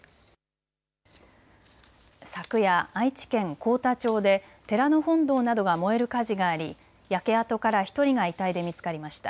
昨夜、愛知県幸田町で寺の本堂などが燃える火事があり焼け跡から１人が遺体で見つかりました。